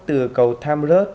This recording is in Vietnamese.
từ cầu tham lớt